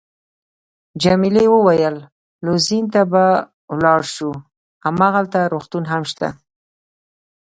جميلې وويل:: لوزین ته به ولاړ شو، هماغلته روغتون هم شته.